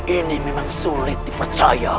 ini memang sulit dipercaya